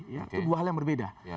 itu dua hal yang berbeda